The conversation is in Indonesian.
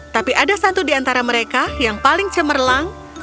tapi ada satu di antara mereka yang paling cemerlang